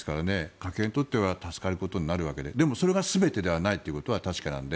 家計にとっては助かることになるわけででも、それが全てではないというのは確かなので。